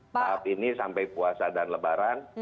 tahap ini sampai puasa dan lebaran